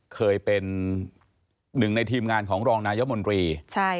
เคยเป็นหนึ่งในทีมงานของรองนายมนตรี